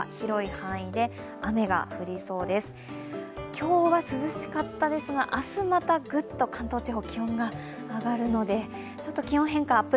今日は涼しかったですが、明日またグッと関東地方気温が上がるのでちょっと気温変化、アップ